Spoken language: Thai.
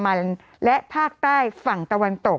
กรมป้องกันแล้วก็บรรเทาสาธารณภัยนะคะ